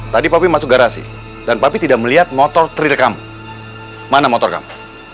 tadi papi masuk garasi dan papi tidak melihat motor trirekam mana motor kamu